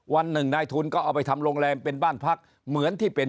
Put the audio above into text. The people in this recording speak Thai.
วันหนึ่งนายทุนก็เอาไปทำโรงแรมเป็นบ้านพักเหมือนที่เป็น